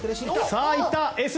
さあいったＳ字。